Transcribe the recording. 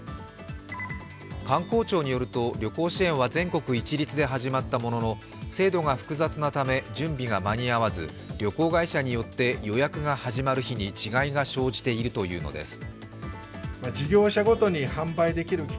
観光庁によると、旅行支援は全国一律で始まったものの制度が複雑なため準備が間に合わず旅行会社によって予約が始まる日に違いが生じているというのです。